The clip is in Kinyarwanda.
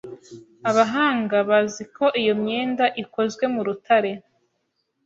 Abahanga bazi ko iyomyenda ikozwe mu rutare